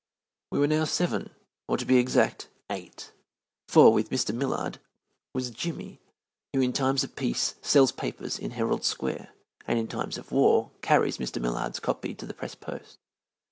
We now were seven, or to be exact, eight, for with Mr. Millard was "Jimmy," who in times of peace sells papers in Herald Square, and in times of war carries Mr. Millard's copy to the press post.